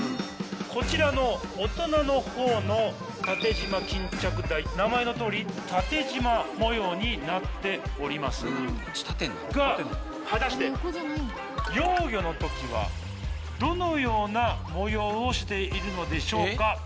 こちらの大人の方の名前のとおり縦じま模様になっておりますが果たして幼魚の時はどのような模様をしているのでしょうか。